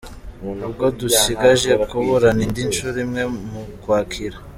Ubwo dusigaje kuburana indi nshuro imwe mu Ukwakira.